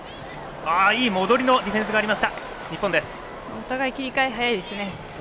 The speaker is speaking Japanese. お互い切り替えが早いですね。